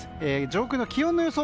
上空の気温の予想